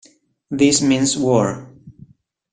This Means War